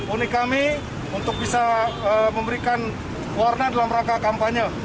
unik kami untuk bisa memberikan warna dalam rangka kampanye